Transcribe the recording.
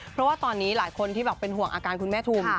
เพราะว่าตอนนี้หลายคนที่แบบเป็นห่วงอาการคุณแม่ทุม